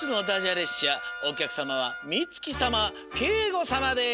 列車おきゃくさまはみつきさまけいごさまです。